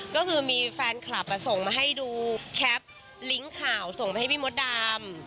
ก็คือมีแฟนคลับส่งมาให้ดูแคปลิงก์ข่าวส่งไปให้พี่มดดำ